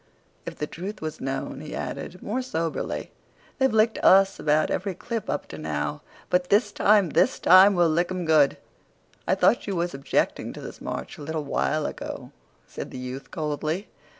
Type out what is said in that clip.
"If the truth was known," he added, more soberly, "they've licked us about every clip up to now; but this time—this time—we'll lick 'em good!" "I thought you was objecting to this march a little while ago," said the youth coldly.